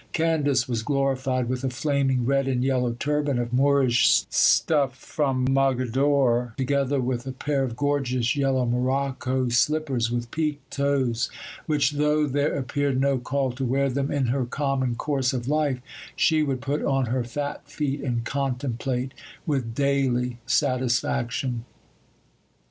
Candace was glorified with a flaming red and yellow turban of Moorish stuff from Mogadore, together with a pair of gorgeous yellow morocco slippers with peaked toes, which, though there appeared no call to wear them in her common course of life, she would put on her fat feet, and contemplate with daily satisfaction.